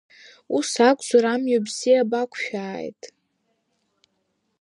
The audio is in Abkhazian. Ус акәзар, амҩа бзиа бақәшәааит!